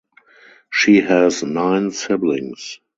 She has nine siblings.